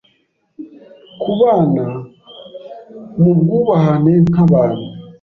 kubana mu bwubahane nk’abantu